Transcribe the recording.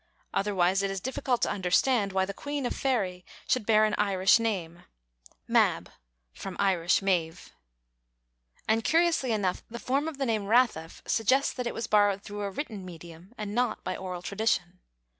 Otherwise it is difficult to understand why the queen of fayerye should bear an Irish name (Mab, from Irish Medb), and curiously enough the form of the name rathef suggests that it was borrowed through a written medium and not by oral tradition.